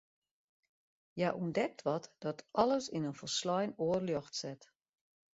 Hja ûntdekt wat dat alles yn in folslein oar ljocht set.